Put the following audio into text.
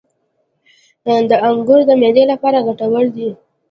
• انګور د معدې لپاره ګټور دي.